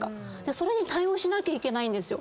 それに対応しなきゃいけないんですよ。